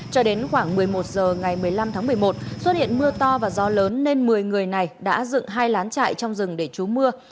cho đến khoảng một mươi một giờ ngày một mươi năm tháng một mươi một xuất hiện mưa to và gió lớn nên một mươi người này đã dựng hai lán chạy trong rừng để trú mưa